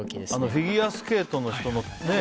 フィギュアスケートの人のね。